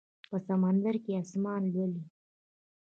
په سمندر کې اسمان لولي